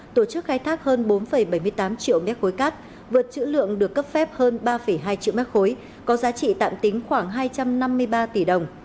tổ chức khai thác hơn bốn bảy mươi tám triệu mét khối cát vượt chữ lượng được cấp phép hơn ba hai triệu mét khối có giá trị tạm tính khoảng hai trăm năm mươi ba tỷ đồng